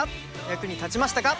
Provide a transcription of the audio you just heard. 役に立ちましたか？